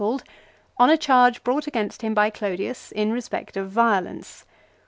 called, on a charge brought against him by Clodius in respect of violence.